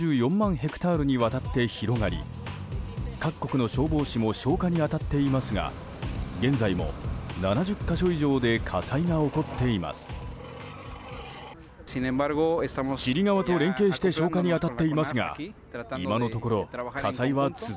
ヘクタールにわたって広がり各国の消防士も消火に当たっていますが現在も７０か所以上で火災が起こっています。